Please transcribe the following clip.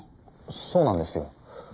そうなんですよ。